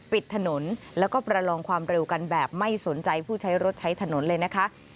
ปิดถนนแล้วก็ประลองความเร็วกันแบบไม่สนใจผู้ใช้รถใช้ถนนเลยนะคะ